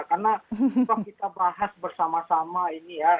karena kita bahas bersama sama ini ya